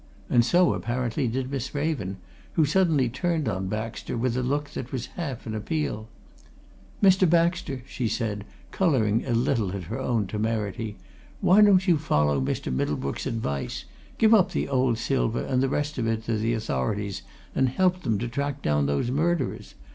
And so, apparently, did Miss Raven, who suddenly turned on Baxter with a look that was half an appeal. "Mr. Baxter!" she said, colouring a little at her own temerity. "Why don't you follow Mr. Middlebrook's advice give up the old silver and the rest of it to the authorities and help them to track down those murderers?